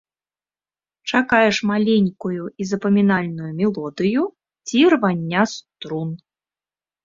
Чакаеш маленькую і запамінальную мелодыю ці рвання струн.